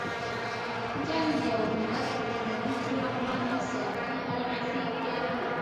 جنګ د یوه ملت په ټولنیز جوړښت باندې سختې اغیزې کوي.